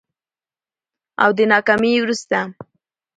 او د ناکامي وروسته